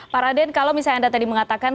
pak raden kalau misalnya anda tadi mengatakan